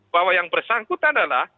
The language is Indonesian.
bahwa yang bersangkutan adalah